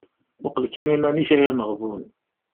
Muqel kan iman-ik ay ameɣbun…